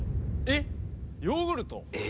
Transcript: えっヨーグルト？